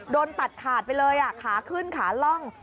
โดนตัดขาดไปเลยขาขึ้นขาล่อง